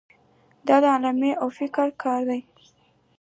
دا علمي او فکري کار دی.